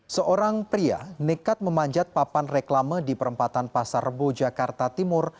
seorang pria nekat memanjat papan reklama di perempatan pasarbo jakarta timur